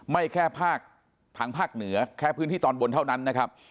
ไม่แค่ภาคทางภาคเหนือแค่พื้นที่ตอนบนเท่านั้นนะครับ